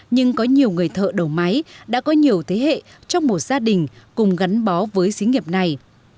nhưng có nhiều người thợ đầu máy đã có nhiều thế hệ trong một gia đình cùng gắn bó với xí nghiệp này